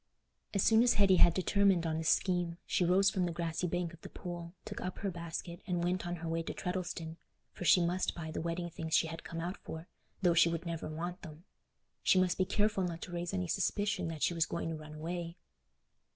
As soon as Hetty had determined on this scheme, she rose from the grassy bank of the pool, took up her basket, and went on her way to Treddleston, for she must buy the wedding things she had come out for, though she would never want them. She must be careful not to raise any suspicion that she was going to run away.